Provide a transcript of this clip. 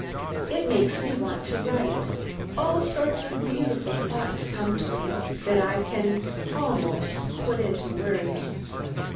It makes me want to write. All sorts of beautiful thoughts come to me, that I can almost put into words.